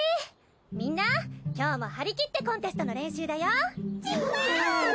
みんな今日も張り切ってコンテストの練習だよ。